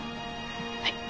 はい。